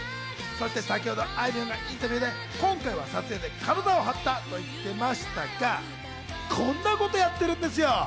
そして先ほど、あいみょんがインタビューで今回は撮影で体を張ったと言っていましたが、こんなことをやってるんですよ。